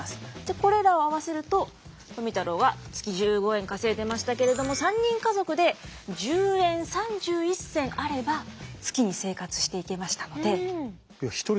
これらを合わせると富太郎は月１５円稼いでましたけれども３人家族で１０円３１銭あれば月に生活していけましたので。